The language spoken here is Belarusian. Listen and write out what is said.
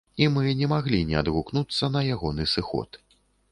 І мы не маглі не адгукнуцца на ягоны сыход.